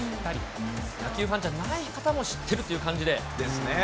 野球ファンじゃない人も知っているという感じで。ですね。